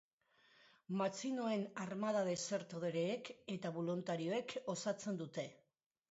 Matxinoen armada desertoreek eta boluntarioek osatzen dute.